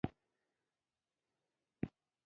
ډيپلومات د هېواد پېغام نړیوالو ته رسوي.